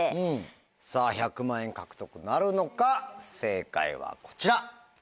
さぁ１００万円獲得なるのか正解はこちら。